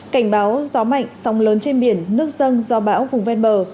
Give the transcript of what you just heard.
cảnh báo gió mạnh sóng lớn trên biển nước dân do bão vùng ven bờ